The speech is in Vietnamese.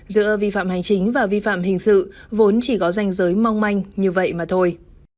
giữa vi phạm hành chính và vi phạm hình sự vốn chỉ có danh giới mong manh như vậy mà thôi